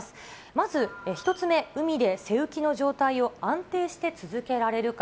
まず１つ目、海で背浮きの状態を安定して続けられるか。